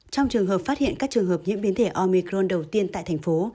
trong trường hợp phát hiện các trường hợp nhiễm biến thể omicron đầu tiên tại thành phố